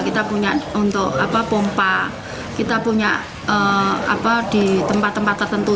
kita punya untuk pompa kita punya di tempat tempat tertentu